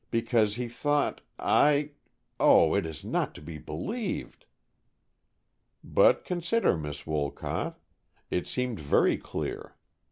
because he thought I oh, it is not to be believed!" "But consider, Miss Wolcott! It seemed very clear.